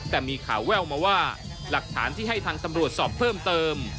แต่มีข่าวแววมาว่าหลักฐานที่ให้ทางตำรวจสอบเพิ่มเติม